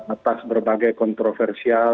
atas berbagai kontrolnya